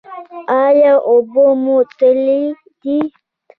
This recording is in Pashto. ایا اوبه مو تللې دي؟